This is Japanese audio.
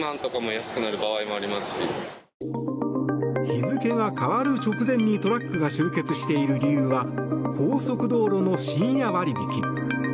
日付が変わる直前にトラックが集結している理由は高速道路の深夜割引。